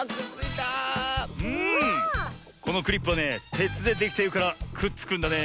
このクリップはねてつでできているからくっつくんだね。